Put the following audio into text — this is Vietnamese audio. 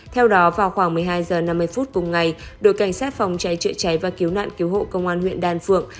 theo đó vào khoảng một mươi hai h năm mươi phút cùng ngày đội cảnh sát phòng cháy chữa cháy và cứu nạn cứu hộ công an huyện đan phượng